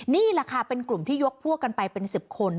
นี่แหละค่ะเป็นกลุ่มที่ยกพวกกันไปเป็น๑๐คน